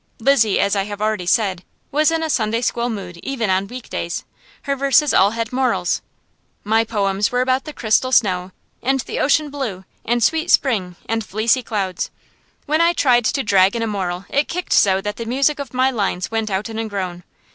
Lizzie, as I have already said, was in a Sunday school mood even on week days; her verses all had morals. My poems were about the crystal snow, and the ocean blue, and sweet spring, and fleecy clouds; when I tried to drag in a moral it kicked so that the music of my lines went out in a groan.